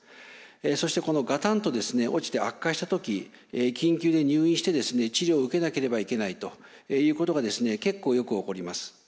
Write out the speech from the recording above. そしてガタンと落ちて悪化した時緊急で入院して治療を受けなければいけないということが結構よく起こります。